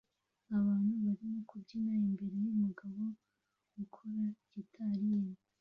Abantu barimo kubyina imbere yumugabo ukora gitari ye